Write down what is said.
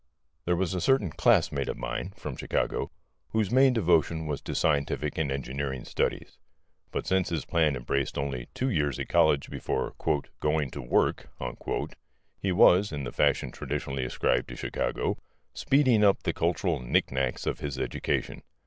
There was a certain classmate of mine (from Chicago) whose main devotion was to scientific and engineering studies. But since his plan embraced only two years at college before "going to work," he was (in the fashion traditionally ascribed to Chicago) speeding up the cultural knick knacks of his education.